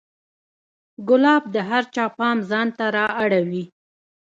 ګلاب د هر چا پام ځان ته را اړوي.